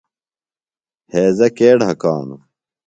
ہیضہ کے ڈھکانوۡ؟